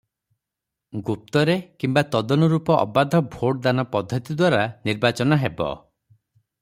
ଗୁପ୍ତରେ କିମ୍ୱା ତଦନୁରୂପ ଅବାଧ ଭୋଟ ଦାନ-ପଦ୍ଧତି ଦ୍ୱାରା ନିର୍ବାଚନ ହେବ ।